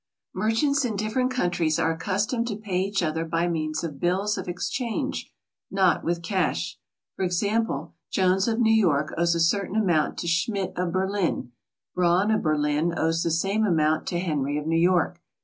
Merchants in different countries are accustomed to pay sach other by means of bills of exchange, not with cash. For example, Jones of New York owes a certain amount to Schmidt of Berlin; Braun of Berlin owes the same amount to Henry of New York.